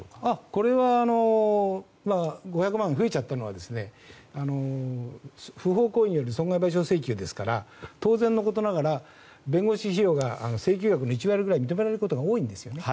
これは５００万円増えちゃったのは不法行為による損害賠償請求ですから当然のことながら、弁護士費用が請求額の１割ぐらい認められることが多いんですよね。